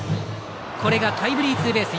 これがタイムリーツーベース。